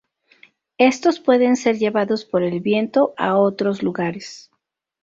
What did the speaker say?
Estos pueden ser llevados por el viento a otros lugares.